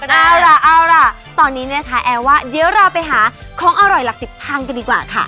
เอาล่ะเอาล่ะตอนนี้นะคะแอร์ว่าเดี๋ยวเราไปหาของอร่อยหลักสิบพังกันดีกว่าค่ะ